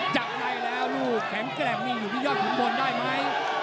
จากอะไรแล้วลูกแข็งแกร่งมีอยู่ที่ยอดขึ้นบนได้ไหม